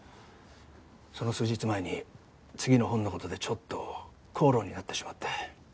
その数日前に次の本の事でちょっと口論になってしまって。